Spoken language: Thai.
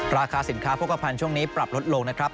ราคาสินค้าโภคภัณฑ์ช่วงนี้ปรับลดลงนะครับ